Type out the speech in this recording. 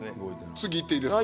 次いっていいですか？